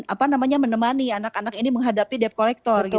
apa namanya menemani anak anak ini menghadapi debt collector gitu